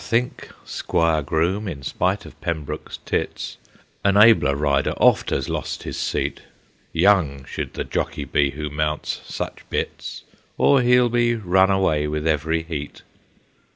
think, squire Groom, in spite of Pembroke's tits An abler rider oft has lost his seat ; Young should the jockey be who mounts such bits, Or he '11 be run away with every heat.'